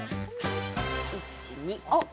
１２あっ！